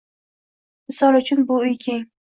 Misol uchun, “Bu uy keng”.